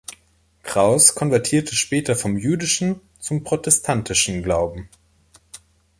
Kraus konvertierte später vom jüdischen zum protestantischen Glauben.